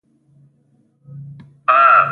موږ به خلکو ته کوم ډول مشوره ورکوو